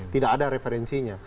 tidak ada referensinya